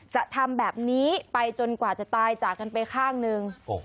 จะทำแบบนี้ไปจนกว่าจะตายจากกันไปข้างหนึ่ง